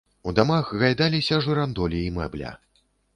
У дамах гайдаліся жырандолі і мэбля.